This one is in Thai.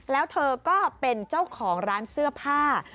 แล้วเธอก็เป็นเจ้าของร้านเสื้อผ้า